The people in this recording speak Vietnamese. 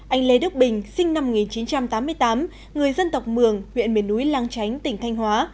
anh lê đức bình sinh năm một nghìn chín trăm tám mươi tám người dân tộc mường huyện miền núi lang chánh tỉnh thanh hóa